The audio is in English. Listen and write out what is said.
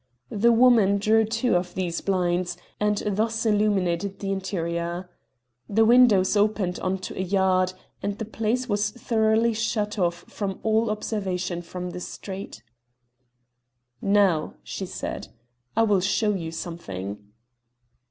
The woman drew two of these blinds, and thus illuminated the interior. The windows opened on to a yard, and the place was thoroughly shut off from all observation from the street. "Now," she said, "I will show you something."